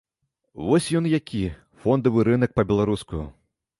Вось ён які, фондавы рынак па-беларуску.